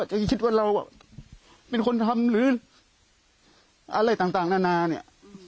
จะคิดว่าเราเป็นคนทำหรืออะไรต่างนานาเนี่ย